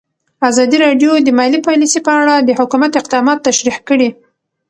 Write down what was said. ازادي راډیو د مالي پالیسي په اړه د حکومت اقدامات تشریح کړي.